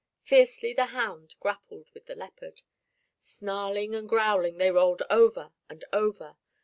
Fiercely the hound grappled with the leopard. Snarling and growling they rolled over and over.